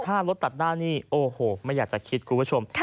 ถ้ารถตัดหน้านี่โอ้โหไม่อยากจะคิดคุณผู้ชม